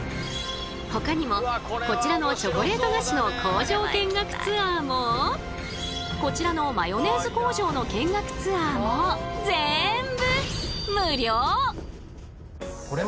ほかにもこちらのチョコレート菓子の工場見学ツアーもこちらのマヨネーズ工場の見学ツアーもぜんぶ無料！